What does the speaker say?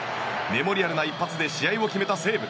メモリアルな一発で試合を決めた西武。